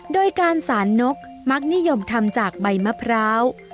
โดยการสารนกมักนิยมทำจากใบมะพร้าว